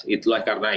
itulah karena itu